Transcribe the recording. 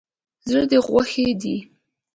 زړه ده غوښی دی